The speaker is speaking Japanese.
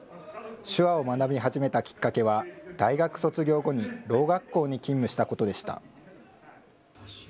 手話を学び始めたきっかけは、大学卒業後にろう学校に勤務したことでした。